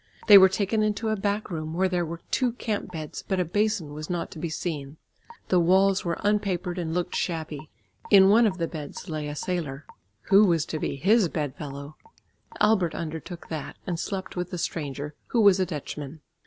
They were taken into a back room where there were two camp beds, but a basin was not to be seen. The walls were unpapered and looked shabby. In one of the beds lay a sailor. Who was to be his bed fellow? Albert undertook that, and slept with the stranger, who was a Dutchman.